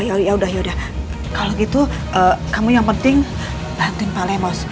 ya ya udah ya udah kalau gitu kamu yang penting bantuin pak lemos